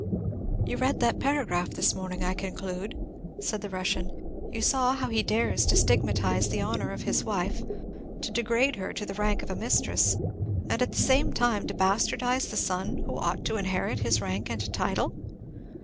"You read that paragraph this morning, I conclude?" said the Russian. "You saw how he dares to stigmatize the honor of his wife, to degrade her to the rank of a mistress, and, at the same time, to bastardize the son who ought to inherit his rank and title?"